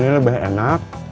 di sini lebih enak